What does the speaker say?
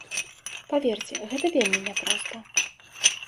Паверце, гэта вельмі няпроста.